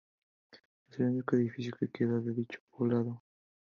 Es el único edificio que queda de dicho poblado.